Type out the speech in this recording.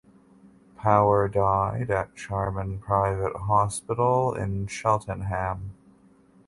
Power died at Charman Private Hospital in Cheltenham.